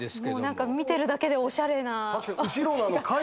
もう何か見てるだけでおしゃれな。